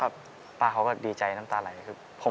ครับป้าเขาก็ดีใจน้ำตาไหล